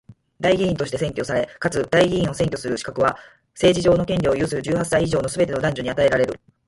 代議員として選挙され、かつ代議員を選挙する資格は、政治上の権利を有する十八歳以上のすべての男女に与えられる。